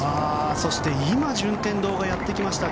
そして順天堂がやってきました。